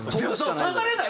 下がれない！